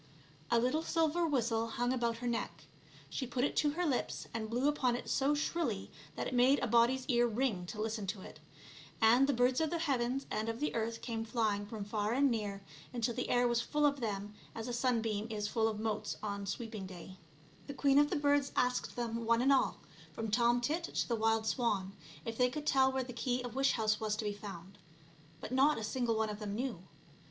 A little silver whistle hung about her neck ; she put it to her lips and blew upon it so shrilly that it made a body's ear ring to listen to it, and the birds of the heavens and of the earth came flying from far and near until the air was as full of them as a sunbeam is full of motes on sweeping day. ONE GOOD TURN DESERVES ANOTHER. 95 The queen of the birds asked them one and all, from tom tit to the wild swan, if they could tell where the key of wish house was to be found ; but not a single one of them knew.